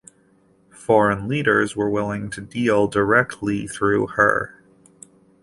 Foreign leaders were willing to deal directly through her.